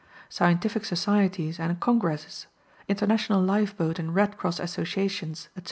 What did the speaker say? Scientific societies and congresses, international life boat and Red Cross associations, etc.